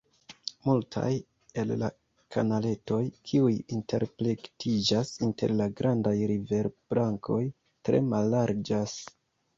Multaj el la kanaletoj, kiuj interplektiĝas inter la grandaj riverbrakoj, tre mallarĝas.